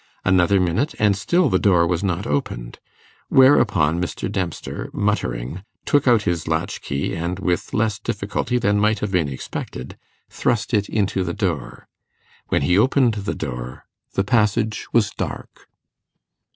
Another minute, and still the door was not opened; whereupon Mr. Dempster, muttering, took out his latch key, and, with less difficulty than might have been expected, thrust it into the door. When he opened the door the passage was dark.